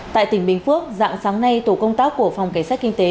tại tỉnh bình phước dạng sáng nay tổ công tác của phòng cảnh sát kinh tế